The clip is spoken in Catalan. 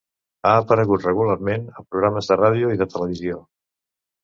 Ha aparegut regularment a programes de ràdio i de televisió.